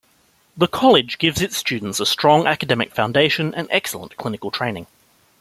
The college gives its students a strong academic foundation and excellent clinical training.